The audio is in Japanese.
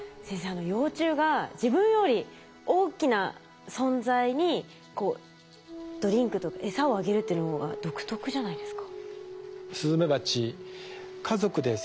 あの幼虫が自分より大きな存在にこうドリンクエサをあげるっていうのは独特じゃないですか？